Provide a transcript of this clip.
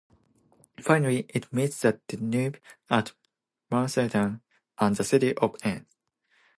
Finally, it meets the Danube at Mauthausen and the city of Enns.